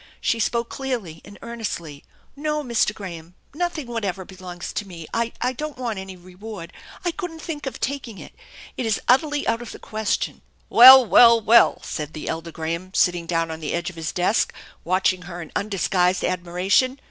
She spoke clearly and earnestly. " No, Mr. Graham, nothing whatever belongs to me. I don't want any reward. I couldn't tlrak of taking it. It is utterly out of the question !"" Well, well, well !" said the elder Graham, sitting down on the edge of his desk, watching her in. undisguised r.dmira* tion.